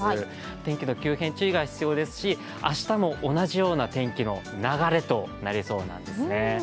天気の急変、注意が必要ですし明日も同じような天気の流れになりそうなんです。